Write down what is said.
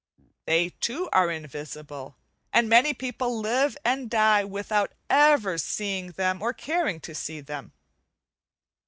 They, too, are invisible, and many people live and die without ever seeing them or caring to see them.